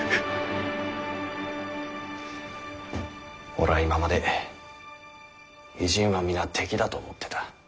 俺は今まで異人は皆敵だと思ってた。